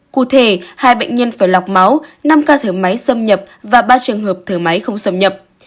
cụ thể hai bệnh nhân phải lọc máu năm ca thở máy xâm nhập và ba trường hợp thở máy không xâm nhập